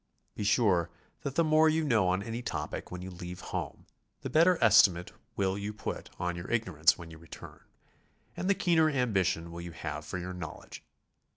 Be sure that the more you know on any topic when you leave home, the better estimate will you put on your ignorance when you return, and the keener ambition will you have for knowledge.